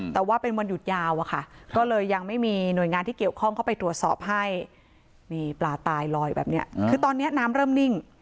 แต่ว่าเป็นวันหยุดยาวอะค่ะก็เลยยังไม่มีหน่วยงานที่เกี่ยวข้องเข้าไปตรวจสอบให้นี่ปลาตายลอยแบบนี้คือตอนนี้น้ำเริ่มนิ่ง